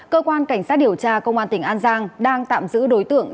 cơ quan cảnh sát điều tra công an tỉnh an giang đang tạm giữ đối tượng